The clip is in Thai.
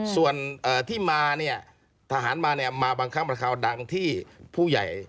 ส่วนที่มาเนี่ยทหารมาเนี่ยมาบางครั้งบางคราวดังที่ผู้ใหญ่